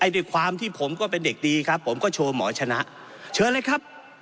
ด้วยความที่ผมก็เป็นเด็กดีครับผมก็โชว์หมอชนะเชิญเลยครับ